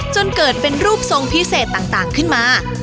จนเกิดเป็นรูปทรงพิเศษต่างขึ้นมา